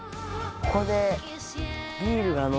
ここで。